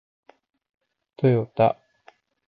トヨタ